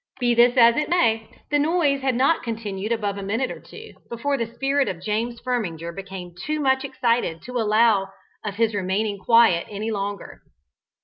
Be this as it may, the noise had not continued above a minute or two, before the spirit of James Firminger became too much excited to allow of his remaining quiet any longer.